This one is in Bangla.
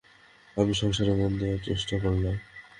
আমি সংসারে মন দেয়ার চেষ্টা করলাম।